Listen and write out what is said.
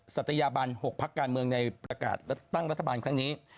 ัตยาบัน๖พักการเมืองในประกาศตั้งรัฐบาลครั้งนี้